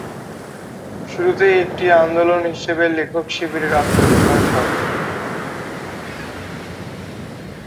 শুরুতেই একটি ‘আন্দোলন’ হিসেবে লেখক শিবিরের আত্মপ্রকাশ ঘটে।